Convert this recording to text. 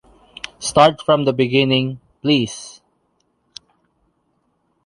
Start from the beginning, please.